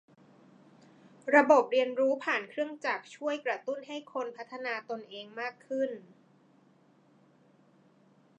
ระบบเรียนรู้ผ่านเครื่องจักรช่วยกระตุ้นให้คนพัฒนาตนเองมากขึ้น